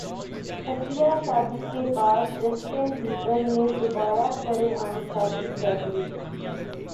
خفیہ شادی کے بعد جسٹن بیبر نے دوبارہ سرعام شادی کرلی